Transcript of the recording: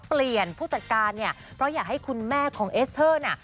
ผู้จัดการเนี่ยเพราะอยากให้คุณแม่ของเอสเตอร์เนี่ย